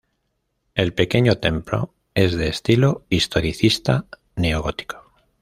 El pequeño templo es de estilo historicista neogótico.